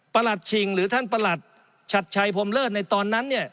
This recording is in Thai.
ประหลัดชิงหรือท่านประหลัดชัดชัยพรมเลิศในตอนนั้นเนี่ย